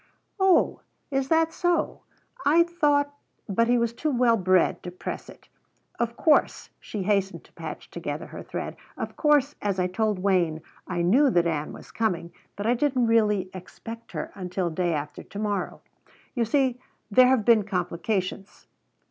"Oh, is that so? I thought " But he was too well bred to press it. "Of course," she hastened to patch together her thread, "of course, as I told Wayne, I knew that Ann was coming. But I didn't really expect her until day after to morrow. You see, there have been complications."